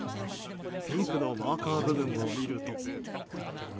ピンクのマーカー部分を見ると。